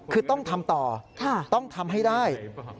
คือต้องทำต่อต้องทำให้ได้